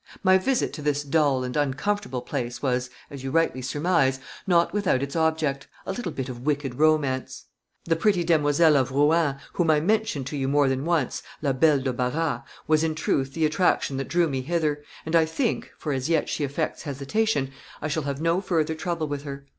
My visit to this dull and uncomfortable place was (as you rightly surmise) not without its object a little bit of wicked romance; the pretty demoiselle of Rouen, whom I mentioned to you more than once la belle de Barras was, in truth, the attraction that drew me hither; and I think (for, as yet, she affects hesitation), I shall have no further trouble with her.